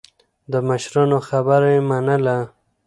د مشرانو خبره يې منله.